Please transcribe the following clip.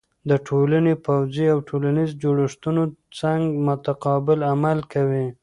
د ټولنې پوځی او ټولنیزې جوړښتونه څنګه متقابل عمل کوي؟